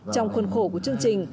trong khuôn khổ của chương trình